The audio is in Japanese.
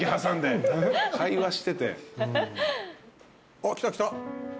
あっ来た来た。